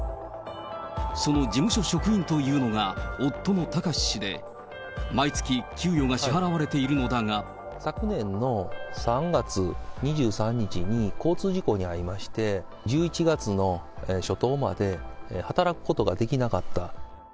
その事務所職員というのが夫の貴志氏で、毎月給与が支払われてい昨年の３月２３日に交通事故に遭いまして、１１月の初頭まで働くことができなかった。